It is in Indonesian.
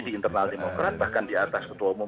di internal lima orang bahkan di atas ketua bum